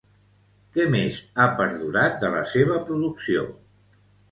Què més ha perdurat de la seva producció?